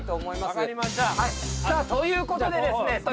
さあという事でですね。